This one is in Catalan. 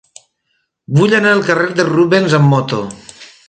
Vull anar al carrer de Rubens amb moto.